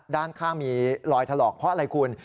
ด้านข้างมีรอยถลอกเพราะอะไรคุณ